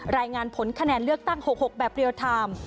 รายงานผลคะแนนเลือกตั้ง๖๖แบบเรียลไทม์